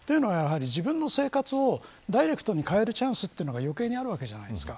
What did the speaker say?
自分の生活をダイレクトに変えるチャンスというのが余計にあるわけじゃないですか。